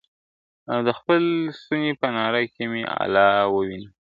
او د خپل ستوني په ناره کي مي الله ووینم ..